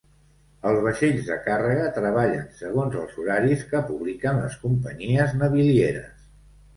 Els vaixells de càrrega treballen segons els horaris que publiquen les companyies navilieres.